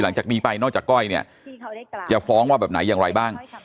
หลังจากนี้ไปนอกจากก้อยเนี่ยจะฟ้องว่าแบบไหนอย่างไรบ้าง